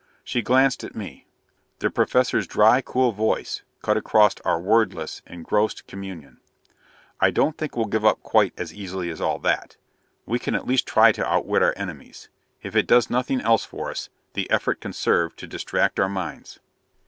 She glanced at me. The Professor's dry, cool voice cut across our wordless, engrossed communion. "I don't think we'll give up quite as easily as all that. We can at least try to outwit our enemies. If it does nothing else for us, the effort can serve to distract our minds."